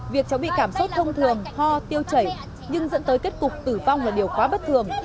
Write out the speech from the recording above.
việc cháu bị cảm sốt thông thường ho tiêu chảy nhưng dẫn tới kết cục tử vong là điều quá bất thường